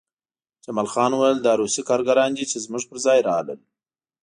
جمال خان وویل دا روسي کارګران دي چې زموږ پرځای راغلل